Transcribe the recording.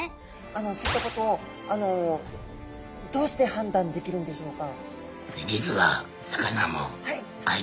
そういったことをどうして判断できるんでしょうか？